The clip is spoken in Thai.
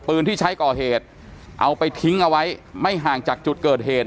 ปืนที่ใช้ก่อเหตุเอาไปทิ้งเอาไว้ไม่ห่างจากจุดเกิดเหตุ